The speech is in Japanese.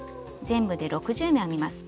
全部で６０目編みます。